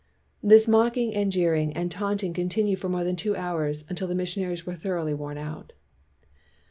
This mocking and jeering and taunting continued for more than two hours until the missionaries were thoroughly worn out.